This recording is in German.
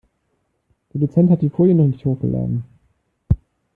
Der Dozent hat die Folien noch nicht hochgeladen.